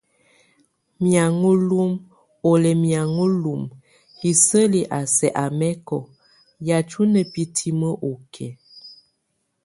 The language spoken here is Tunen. Miaŋo lum, o lɛ miaŋo lum hisɛli a sɛk a mɛ́kɔ, yatʼ ó nabitim okie?